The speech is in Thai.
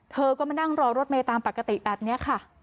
เธอก็มานั่งรอรถเมย์ตามปกติแบบนี้ค่ะ